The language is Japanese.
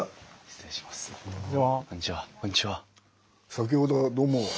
先ほどはどうも。